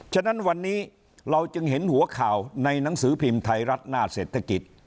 ฉะนั้นวันนี้เราจึงเห็นหัวข่าวในหนังสือพิมพ์ไทยรัฐหน้าเศรษฐกิจ